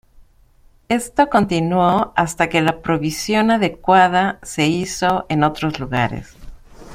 Esto continuó hasta que la provisión adecuada se hizo en otros lugares.